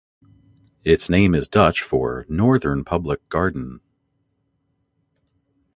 Its name is Dutch for "northern public garden".